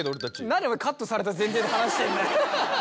何お前カットされた前提で話してんだよ。